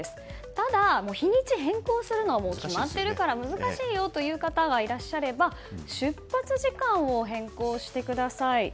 ただ、日にち変更するのは決まっているから難しいという方がいらっしゃれば出発時間を変更してください。